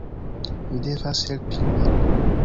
Mi devas helpi lin.